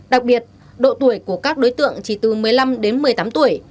đặc biệt độ tuổi của các đối tượng chỉ từ một mươi năm đến một mươi tám tuổi